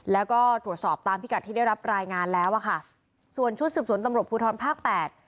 แล้วก็ตรวจสอบตามพิกัดที่ได้รับรายงานแล้วอ่ะค่ะส่วนชุดสืบสวนตำรวจภูทรภาคแปด